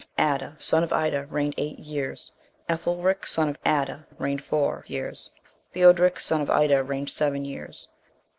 Adda, son of Ida, reigned eight years; Ethelric, son of Adda, reigned four years. Theodoric, son of Ida, reigned seven years.